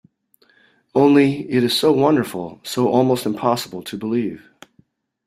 Only, it is so wonderful, so almost impossible to believe.